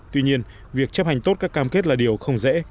tuy nhiên việc chấp hành tốt các cam kết là điều không dễ